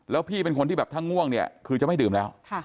แล้วพี่เป็นคนที่แบบถ้าง่วงเนี่ยคือจะไม่ดื่มแล้ว